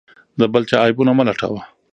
د بل چا عیبونه مه لټوه.